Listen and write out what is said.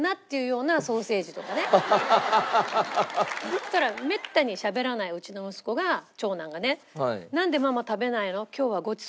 そしたらめったにしゃべらないうちの息子が長男がね。って言ったの。